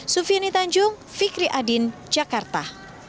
sufiani tanjung fikri adin jakarta